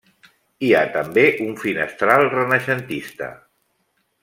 Hi ha també un finestral renaixentista.